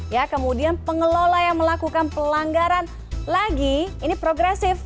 ya kemudian pengelola yang melakukan pelanggaran lagi ini progresif